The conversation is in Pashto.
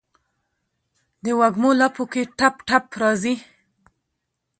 دوږمو لپو کې ټپ، ټپ راځي